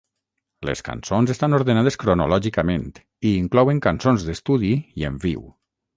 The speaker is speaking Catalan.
Les cançons estan ordenades cronològicament i inclouen cançons d'estudi i en viu.